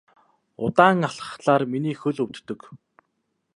Удаан алхахлаар миний хөл өвддөг.